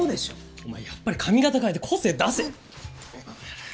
お前やっぱり髪形変えて個性出せ！